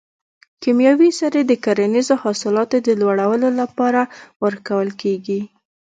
کیمیاوي سرې د کرنیزو حاصلاتو د لوړولو لپاره ورکول کیږي.